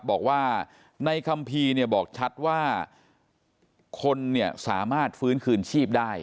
บอกว่าในคำพีบอกชัดว่าคนสามารถฟื้นคืนชีพได้